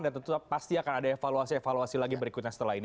dan tentu pasti akan ada evaluasi evaluasi lagi berikutnya setelah ini